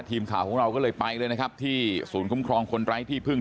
ทีมข่าวของเราก็เลยไปเลยนะครับที่ศูนย์คุ้มครองคนไร้ที่พึ่ง